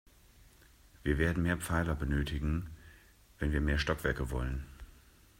Wir werden mehr Pfeiler benötigen, wenn wir mehr Stockwerke wollen.